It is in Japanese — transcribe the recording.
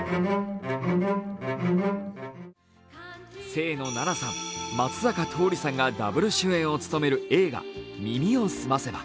清野菜名さん、松坂桃李さんがＷ主演を務める映画「耳をすませば」。